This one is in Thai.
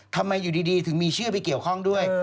ทำไมอยู่ดีถึงมีชื่อไปเกี่ยวข้องด้วย